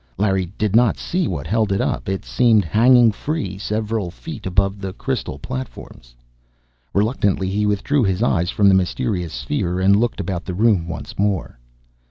Larry did not see what held it up; it seemed hanging free, several feet above the crystal platforms. Reluctantly he withdrew his eyes from the mysterious sphere and looked about the room once more.